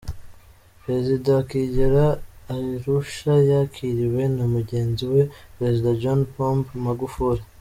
Perezida akigera i Arusha yakiriwe na mugenzi we Perezida John Pombe Magufuli.